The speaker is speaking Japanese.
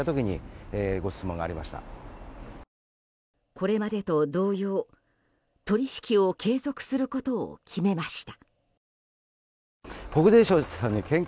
これまでと同様、取引を継続することを決めました。